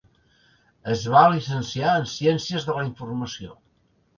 Es va llicenciar en ciències de la informació.